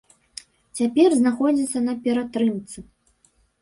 Цяпер знаходзіцца на ператрымцы.